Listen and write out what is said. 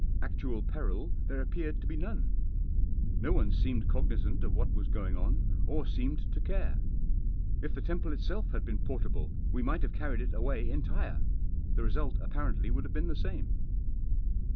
Actual peril there appeared to be none. No one seemed cognisant of what was going on, or seemed to care. If the temple itself had been portable, we might have carried it away entire ; the result apparently would have been the same.